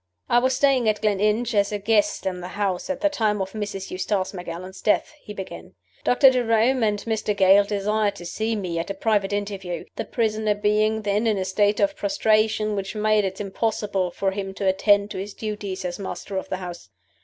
"I was staying at Gleninch as a guest in the house at the time of Mrs. Eustace Macallan's death," he began. "Doctor Jerome and Mr. Gale desired to see me at a private interview the prisoner being then in a state of prostration which made it impossible for him to attend to his duties as master of the house.